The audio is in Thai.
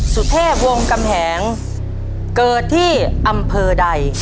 สุเทพวงกำแหงเกิดที่อำเภอใด